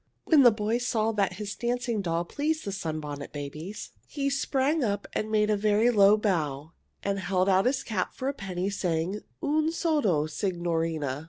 When the boy saw that his dancing doll pleased the Sunbonnet Babies, he sprang up and made a very low bow and held out his cap for a penny, saying, "Un soldo, signorine!"